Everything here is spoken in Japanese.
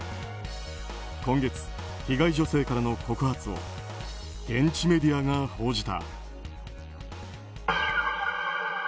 今月、被害女性からの告発を現地メディアが報じた。